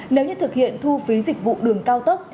nếu như thực hiện thu phí dịch vụ đường cao tốc